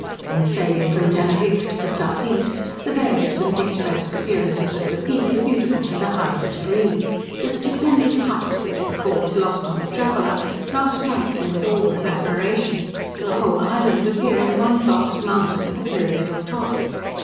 In sailing from Teneriffe to the south east, the various and picturesque appearances of the Peak are beautiful to the highest degree. The stupendous height, which before was lost on the traveller, now strikes him with awe and admiration, the whole island appearing one vast mountain with a pyramidal top.